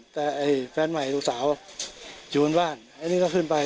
แต่ไอ้แฟนใหม่ลูกสาวอยู่บนบ้านไอ้นี่ก็ขึ้นไป